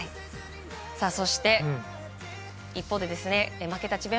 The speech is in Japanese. そして、一方で負けた智弁